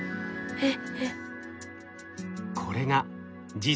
えっ。